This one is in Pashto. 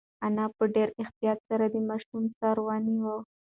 انا په ډېر احتیاط سره د ماشوم سر ونیو.